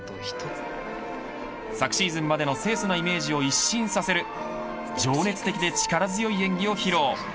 昨シーズンまでの清楚なイメージを一新させる情熱的で力強い演技を披露。